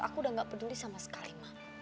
aku udah gak peduli sama sekali